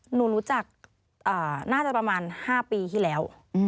หนูรู้จักน่าจะประมาณ๕ปีที่แล้ว